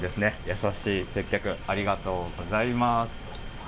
優しい接客、ありがとうございます。